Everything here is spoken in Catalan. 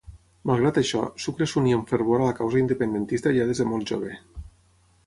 Malgrat això, Sucre s'uní amb fervor a la causa independentista ja des de molt jove.